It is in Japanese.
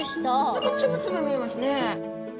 何かつぶつぶ見えますね。